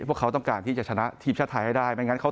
พวกเขาต้องการที่จะชนะทีมชาติไทยให้ได้ไม่งั้นเขา